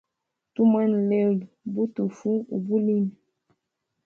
Tumwena lelo butufu ubulimi.